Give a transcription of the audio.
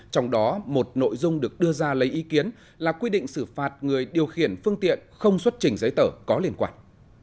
trong đó một nội dung được đưa ra lấy ý kiến là quy định xử phạt người điều khiển phương tiện không xuất trình giấy tờ có liên quan